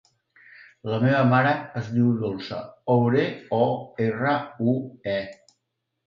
La meva mare es diu Dolça Orue: o, erra, u, e.